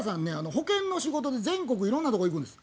保険の仕事で全国いろんなとこ行くんです。